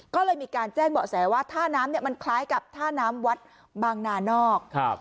ก็เลยมีการแจ้งเบาะแสว่าท่าน้ำมันคล้ายกับท่าน้ำวัดบางนานอก